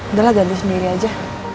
udah lah ganti sendiri aja